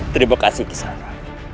terima kasih kisara